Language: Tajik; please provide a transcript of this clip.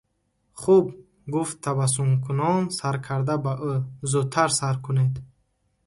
– Хуб, – гуфт табассумкунон саркарда ба ӯ, – зудтар сар кунед!